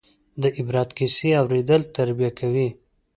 د عبرت کیسې اورېدل تربیه کوي.